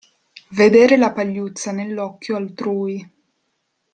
Vedere la pagliuzza nell'occhio altrui.